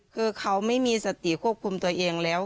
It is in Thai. คือเขาไม่มีสติควบคุมตัวเองแล้ว